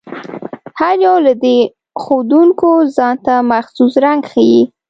هر یو له دې ښودونکو ځانته مخصوص رنګ ښيي.